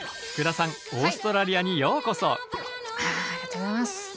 ありがとうございます。